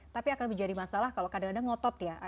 tapi akan menjadi masalah kalau kadang kadang ngotot ya